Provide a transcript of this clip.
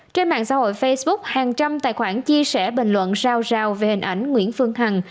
trên mạng xã hội facebook hàng trăm tài khoản chia sẻ bình luận sao rào về hình ảnh nguyễn phương hằng